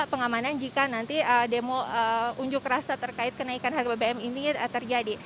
pengamanan jika nanti demo unjuk rasa terkait kenaikan harga bbm ini terjadi